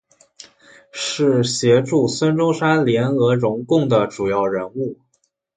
是协助孙中山联俄容共的主要人物。